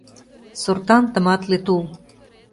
Сортан тыматле тул.